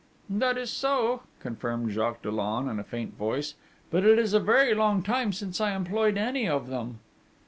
'That is so,' confirmed Jacques Dollon, in a faint voice: 'But it is a very long time since I employed any of them.'